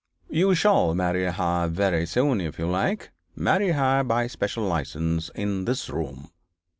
'You shall marry her very soon, if you like, marry her by special licence, in this room.